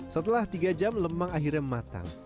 setelah tiga jam lemang akhirnya matang